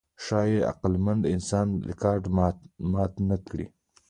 ښایي عقلمن انسان دا ریکارډ مات نهکړي.